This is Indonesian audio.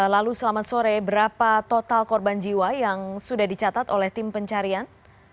lalu selamat sore berapa total korban jiwa yang sudah dicatat oleh tim pencarian